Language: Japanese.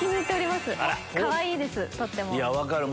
かわいいですとっても。